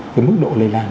cái mức độ lây lan